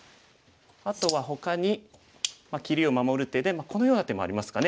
あとはほかに切りを守る手でこのような手もありますかね。